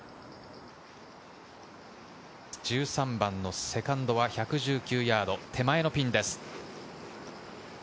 １３番のセカンドは１１９ヤード、手前のピンです。